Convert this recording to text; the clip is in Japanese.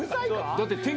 だって。